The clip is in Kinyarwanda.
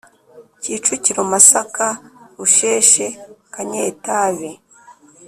Kicukiro Masaka Rusheshe Kanyetabi